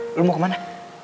mulan lu mau kemana